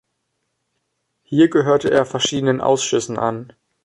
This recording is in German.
Hier gehörte er verschiedenen Ausschüssen an.